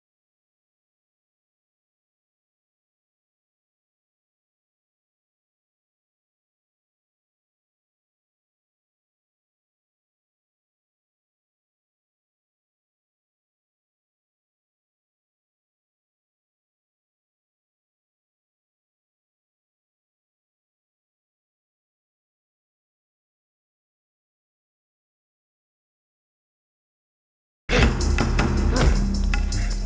sampai siang kita pakai